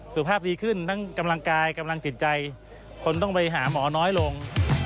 สุขภาพดีขึ้นทั้งกำลังกายกำลังจิตใจคนต้องไปหาหมอน้อยลง